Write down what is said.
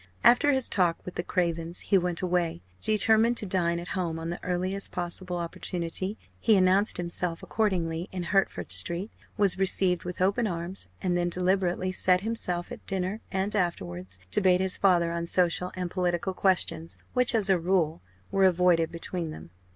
After his talk with the Cravens, he went away, determined to dine at home on the earliest possible opportunity. He announced himself accordingly in Hertford Street, was received with open arms, and then deliberately set himself, at dinner and afterwards, to bait his father on social and political questions, which, as a rule, were avoided between them.